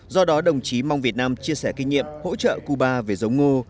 do đó đồng chí mong việt nam chia sẻ kinh nghiệm hỗ trợ cuba về giống ngô